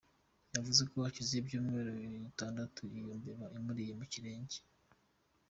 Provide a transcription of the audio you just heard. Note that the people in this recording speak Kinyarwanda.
Yavuze ko hashize ibyumweru bitandatu iyo mbeba imuriye ku kirenge.